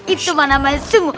itu mana masuk